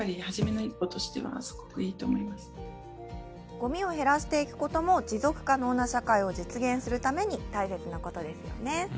ごみを減らしていくことも持続可能な社会を実現するために大切なことですよね。